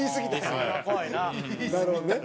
なるほどね。